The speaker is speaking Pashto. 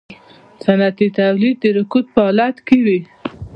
صنعتي تولید د رکود په حالت کې وي